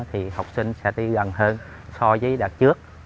thì học sinh sẽ đi gần hơn so với đặt trước